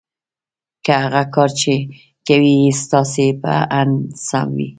که هغه کار چې کوئ یې ستاسې په اند سم وي